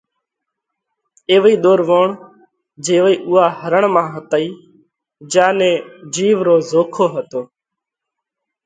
ايوئِي ۮورووڻ جيوَئي اُوئا هرڻ مانه هتئِي، جيا نئہ جِيوَ رو زوکو هتو۔